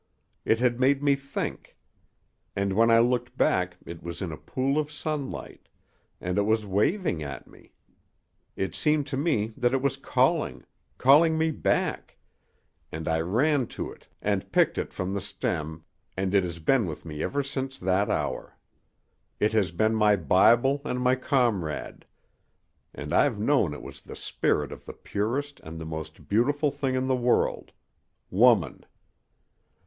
It had made me think. And when I looked back it was in a pool of sunlight, and it was waving at me! It seemed to me that it was calling calling me back and I ran to it and picked it from the stem, and it has been with me ever since that hour. It has been my Bible an' my comrade, an' I've known it was the spirit of the purest and the most beautiful thing in the world woman.